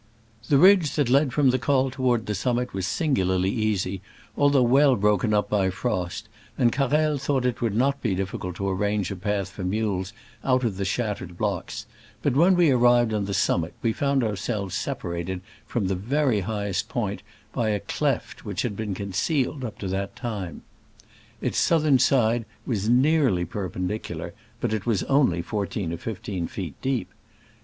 The ridge that led from the col to ward the summit was singularly easy, although well broken up by frost, and Carrel thought that it would not be difficult to arrange a path for mules out of the shattered blocks ; but when we arrived on the summit we found our selves separated from the very highest point by a cleft which had been con cealed up to that time : its southern side was nearly perpendicular, but it was only fourteen or fifteen feet deep.